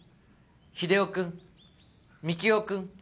秀雄君幹雄君